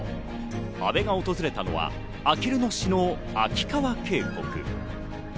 阿部が訪れたのはあきる野市の秋川渓谷。